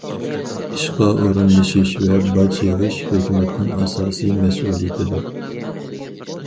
ئىشقا ئورۇنلىشىش ۋە باج يىغىش ھۆكۈمەتنىڭ ئاساسىي مەسئۇلىيىتىدۇر.